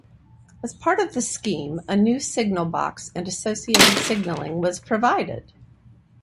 As part of the scheme, a new signal box and associated signalling was provided.